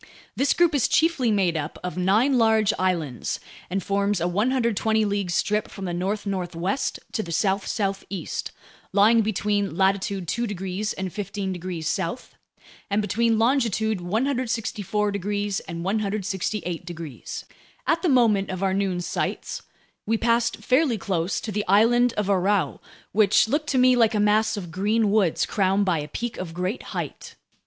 This group is chiefly made up of nine large islands and forms a 120 league strip from the north northwest to the south southeast, lying between latitude 2 degrees and 15 degrees south, and between longitude 164 degrees and 168 degrees. At the moment of our noon sights, we passed fairly close to the island of Aurou, which looked to me like a mass of green woods crowned by a peak of great height.